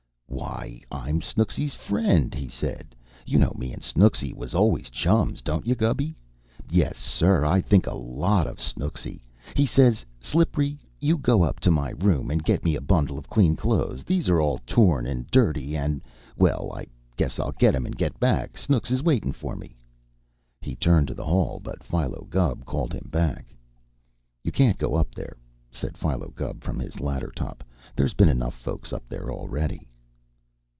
"Why, I'm Snooksy's friend," he said. "You know me and Snooksy was always chums, don't you, Gubby? Yes, sir, I think a lot of Snooksy. He says, 'Slippery, you go up to my room and get me a bundle of clean clothes these are all torn and dirty, and ' Well, I guess I'll get 'em, and get back. Snooks is waitin' for me." He turned to the hall, but Philo Gubb called him back. "You can't go up there," said Philo Gubb, from his ladder top. "There's been enough folks up there already."